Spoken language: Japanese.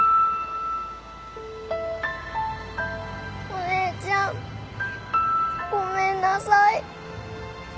お姉ちゃんごめんなさい